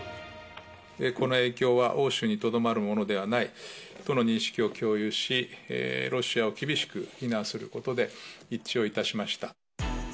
この影響は欧州にとどまるものではないとの認識を共有し、ロシアを厳しく非難することで一致をいたしました。